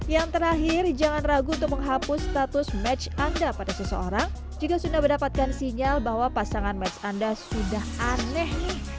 yang terakhir jangan ragu untuk menghapus status match anda pada seseorang jika sudah mendapatkan sinyal bahwa pasangan match anda sudah aneh